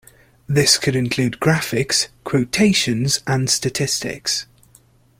This could include graphics, quotations and statistics.